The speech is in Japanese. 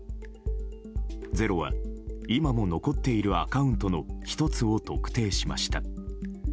「ｚｅｒｏ」は今も残っているアカウントの１つを特定しました。